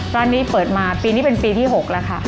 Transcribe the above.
ร้านนี้เปิดมาปีนี้เป็นปีที่๖แล้วค่ะ